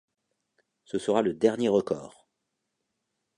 Ce sera le dernier record.